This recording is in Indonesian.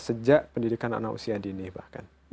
sejak pendidikan anak usia dini bahkan